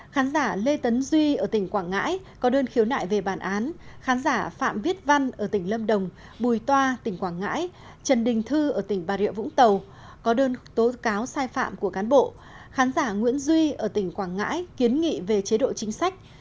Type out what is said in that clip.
khán giả lê tấn duy ở tỉnh quảng ngãi có đơn khiếu nại về bản án khán giả phạm viết văn ở tỉnh lâm đồng bùi toa tỉnh quảng ngãi trần đình thư ở tỉnh bà rịa vũng tàu có đơn tố cáo sai phạm của cán bộ khán giả nguyễn duy ở tỉnh quảng ngãi kiến nghị về chế độ chính sách